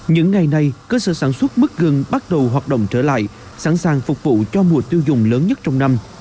những ngày này cơ sở sản xuất mứt gừng bắt đầu hoạt động trở lại sẵn sàng phục vụ cho mùa tiêu dùng lớn nhất trong năm